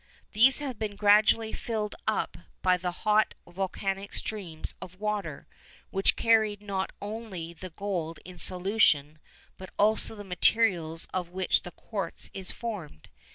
These have been gradually filled up by hot volcanic streams of water, which carried not only the gold in solution but also the materials of which the quartz is formed.